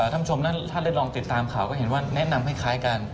ท่านท่านเรียนลองติดตามข่าวก็เห็นว่าแนะนำคล้ายกัน